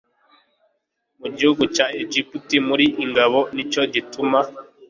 mu gihugu cya Egiputa muri ingabo Ni cyo gituma